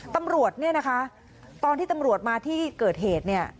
ตำรวจเนี่ยนะคะตอนที่ตำรวจมาที่เกิดเหตุเนี่ย